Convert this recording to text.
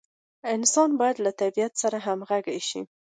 انسان باید له طبیعت سره همغږي شي.